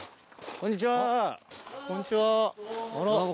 こんにちはあら。